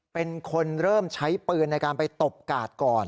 เป็นคนเริ่มใช้ปืนในการไปตบกาดก่อน